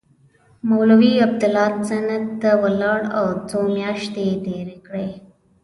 مولوي عبیدالله سند ته ولاړ او څو میاشتې یې تېرې کړې.